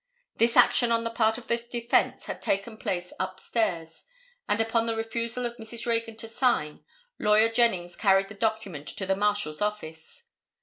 This action on the part of the defense had taken place up stairs; and upon the refusal of Mrs. Reagan to sign, lawyer Jennings carried the document to the Marshal's office.